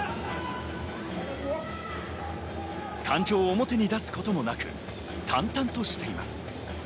感情を表に出すこともなく淡々としています。